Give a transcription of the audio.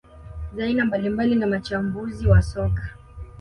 za aina mbalimbali na mchambuzi wa soka